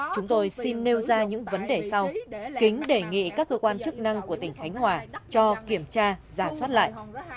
chúng tôi xin nêu ra những vấn đề sau kính đề nghị các cơ quan chức năng của tỉnh khánh hòa cho kiểm tra giả soát lại